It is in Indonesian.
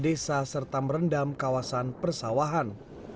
di kawasan jawa barat hujan merendam kawasan persawahan